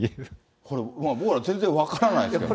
これ、僕ら全然分からないですけどね。